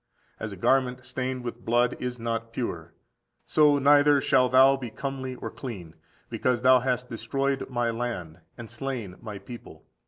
As a garment stained with blood is not pure, so neither shalt thou be comely (or clean); because thou hast destroyed my land, and slain my people.